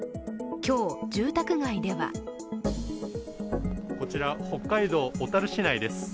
今日、住宅街ではこちら北海道小樽市内です。